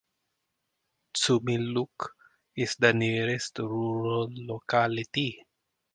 Tsumilukh is the nearest rural locality.